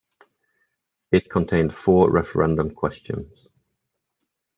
It contained four referendum questions.